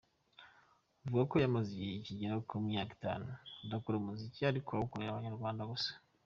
Avuga ko yamaze igihe kigera ku myaka itanu akora umuziki ariko awukorera Abanyarwanda gusa.